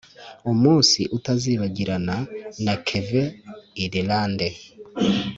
umunsi utazibagirana. na kevin irilande.